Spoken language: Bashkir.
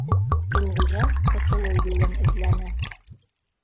Илғужа ҡотолоу юлын эҙләне